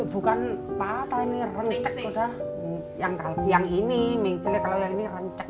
bukan patah nih renceng udah yang kali yang ini mencet kalau ini renceng